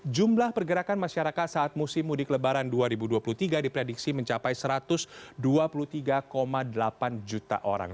jumlah pergerakan masyarakat saat musim mudik lebaran dua ribu dua puluh tiga diprediksi mencapai satu ratus dua puluh tiga delapan juta orang